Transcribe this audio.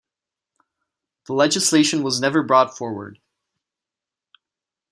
The legislation was never brought forward.